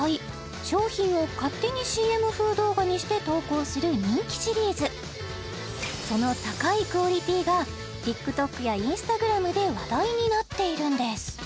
商品を勝手にＣＭ風動画にして投稿する人気シリーズその高いクオリティーがＴｉｋＴｏｋやＩｎｓｔａｇｒａｍで話題になっているんです